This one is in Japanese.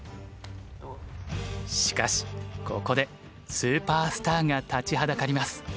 しかしここでスーパースターが立ちはだかります。